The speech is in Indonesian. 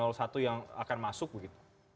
satu yang akan masuk begitu